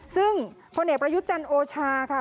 ซึ่งพระเนียประยุจันทร์โอชาค่ะ